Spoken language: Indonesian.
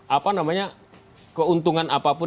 apa namanya keuntungan apapun